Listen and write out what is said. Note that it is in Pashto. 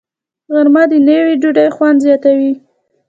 غرمه د نیوي ډوډۍ خوند زیاتوي